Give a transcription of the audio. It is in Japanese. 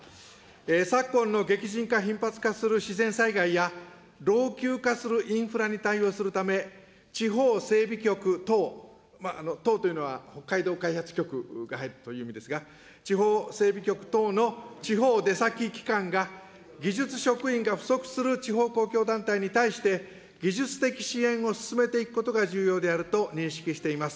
昨今の激甚化頻発化する自然災害や、老朽化するインフラに対応するため、地方整備局等、等というのは北海道開発局が入るという意味ですが、地方整備局等の地方出先機関が技術職員が不足する地方公共団体に対して、技術的支援を進めていくことが重要であると認識しています。